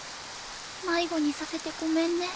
迷子にさせてごめんね。